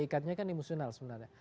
ikatnya kan emosional sebenarnya